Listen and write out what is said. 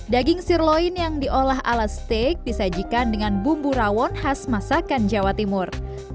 daging sirloin yang diolah ala steak disajikan dengan bumbu rawon khas masakan jawa timur